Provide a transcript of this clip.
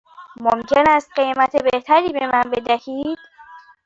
ممکن است قیمت بهتری به من بدهید؟